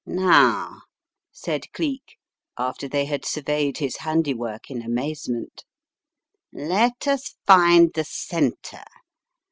"Now," said Cleek, after they had surveyed his handiwork in amazement, "let us find the centre.